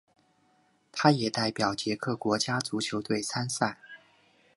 他也代表捷克国家足球队参赛。